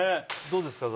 どうですか？